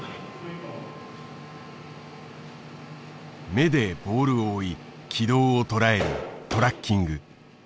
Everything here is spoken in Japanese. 目でボールを追い軌道を捉えるトラッキング。